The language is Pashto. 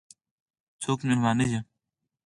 څوک مو مېلمانه دي؟